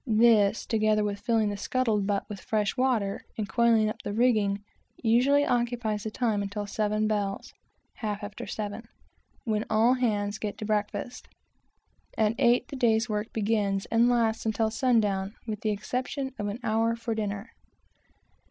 This, together with filling the "scuttled butt" with fresh water, and coiling up the rigging, usually occupies the time until seven bells, (half after seven,) when all hands get breakfast. At eight, the day's work begins, and lasts until sun down, with the exception of an hour for dinner.